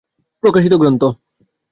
প্রকাশিত গ্রন্থ